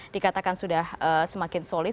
dikatakan sudah semakin solid